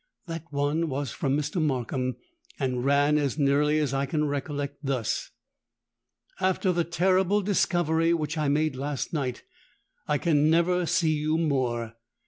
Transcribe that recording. That one was from Mr. Markham, and ran as nearly as I can recollect thus: 'After the terrible discovery which I made last night, I can never see you more.